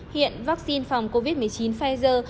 hiện vaccine phòng covid một mươi chín pfizer